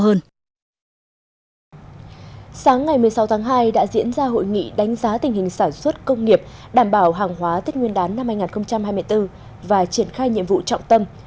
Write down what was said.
sáng ngày một mươi sáu tháng hai đã diễn ra hội nghị đánh giá tình hình sản xuất công nghiệp đảm bảo hàng hóa tết nguyên đán năm hai nghìn hai mươi bốn và triển khai nhiệm vụ trọng tâm